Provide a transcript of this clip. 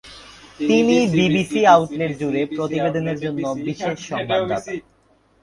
তিনি BBC outlet জুড়ে প্রতিবেদনের জন্য বিশেষ সংবাদদাতা।